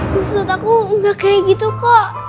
maksud aku gak kayak gitu kok